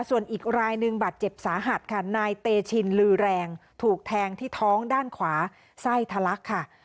ส่วนอีกรายหนึ่งบาดเจ็บสาหัสค่ะนายเตชินลือแรงถูกแทงที่ท้องด้านขวาไส้ทะลักค่ะ